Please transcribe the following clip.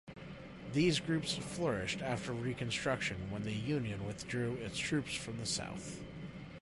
These groups flourished after Reconstruction when the Union withdrew its troops from the South.